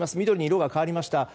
緑に色が変わりました。